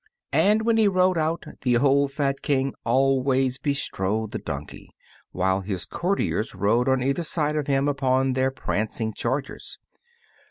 And when he rode out, the old fat King always bestrode the donkey, while his courtiers rode on either side of him upon their prancing chargers.